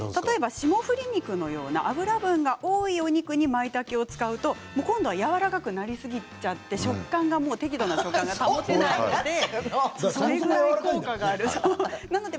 霜降り肉のような脂分が多いお肉にまいたけを使うと今度はやわらかくなりすぎちゃって適度な食感が保てなくなるそうです。